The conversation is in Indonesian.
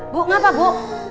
bu apa bu